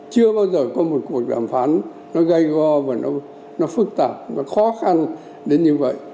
chưa bao giờ có một cuộc đàm phán nó gây go và nó phức tạp nó khó khăn đến như vậy